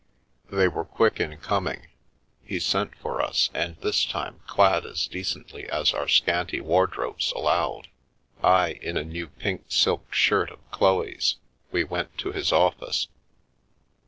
They were quick in coming. He sent for us, and this time clad as decently as our scanty wardrobes allowed — I in a new pink silk shirt of Chloe's — we went to his office.